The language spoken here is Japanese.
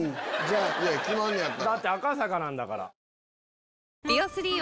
決まんねやったら。